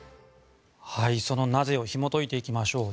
その、なぜをひも解いていきましょう。